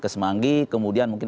semanggi kemudian mungkin